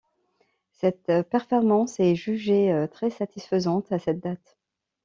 Cette performance est jugée très satisfaisante à cette date.